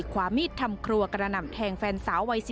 ขวามีดทำครัวกระดับแทงแฟนสาววัย๑๗ปี